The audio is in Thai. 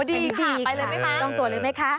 ดีค่ะไปเลยไหมคะต้องตรวจเลยไหมคะ